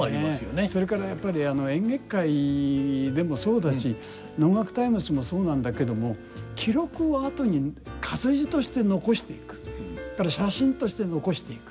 それからやっぱり「演劇界」でもそうだし「能樂タイムズ」もそうなんだけども記録を後に活字として残していく写真として残していく。